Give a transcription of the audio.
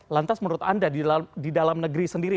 lantas menurut anda di dalam negeri sendiri